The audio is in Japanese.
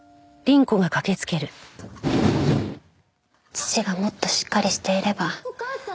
父がもっとしっかりしていれば。